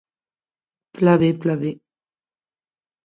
Plan ben, plan ben!